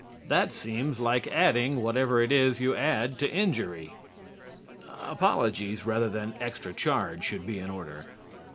That seems like adding whatever it is you add to injury. Apologies, rather than extra charge, should be in order.